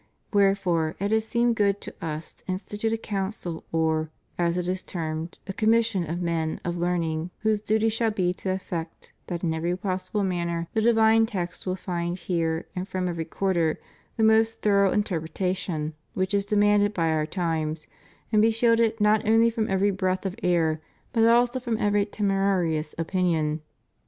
Wherefore, it has seemed good to Us to institute a council or, as it is termed, a commission of men of learn ing whose duty shall be to effect that in every possible manner the divine text will find here and from every quarter the most thorough interpretation which is de manded by our times, and be shielded not only from every breath of error, but also from every temerarious opinion.